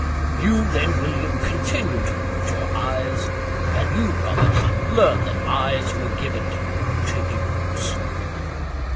You, then, William, continue to use your eyes. And you, Robert, learn that eyes were given to you to use."